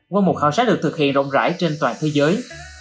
qua một khảo sát được thực hiện rộng rãi trên toàn thế giới